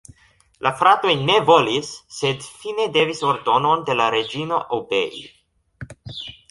La fratoj ne volis, sed fine devis ordonon de la reĝino obei.